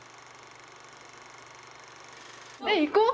え行こう！